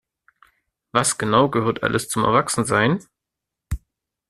Was genau gehört alles zum Erwachsensein?